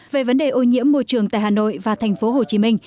về vấn đề ô nhiễm môi trường tại hà nội và thành phố hồ chí minh